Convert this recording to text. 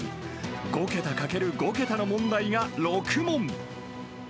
５桁かける５桁の問題が６問。